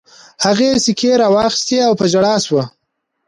هغې سيکې را واخيستې او په ژړا شوه.